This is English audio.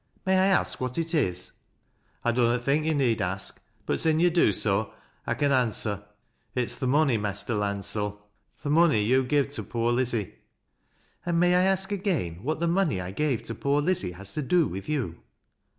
'' Mjiy 1 aek what it is ?"'' I dunnot think yo' need ask ; but sin' yo' do so, I con inswer. It's th' money, Mester Landsell, — th' money yo' ^'ye to poor Lizzie." " And may I ask again, what the money I gave to pooi Lizzie has to do with you